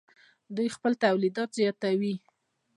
دوی خپل تولیدات زیاتوي.